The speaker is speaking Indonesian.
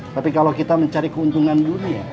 tapi kalau kita mencari keuntungan dunia